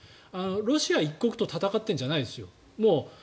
ロシア一国と戦ってるんじゃないですよ。